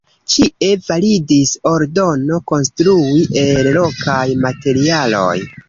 Ĉie validis ordono konstrui el lokaj materialoj.